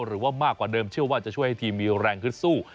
หรือว่ามากกว่าเดิมเชื่อว่าจะช่วยให้ทีมมีแรงฮึดสู้